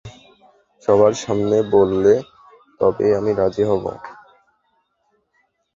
সবার সামনে বললে, তবেই আমি রাজি হবো।